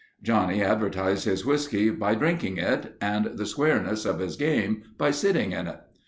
Johnny advertised his whiskey by drinking it and the squareness of his game, by sitting in it.